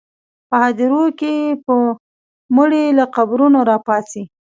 په هدیرو کې به مړي له قبرونو راپاڅي.